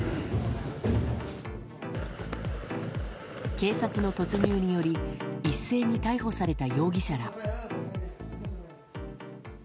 警察の突入により一斉に逮捕された容疑者ら。